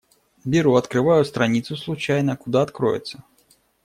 Беру, открываю страницу случайно — куда откроется.